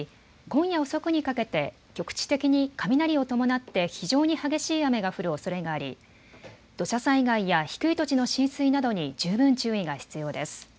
今夜遅くにかけて局地的に雷を伴って非常に激しい雨が降るおそれがあり土砂災害や低い土地の浸水などに十分注意が必要です。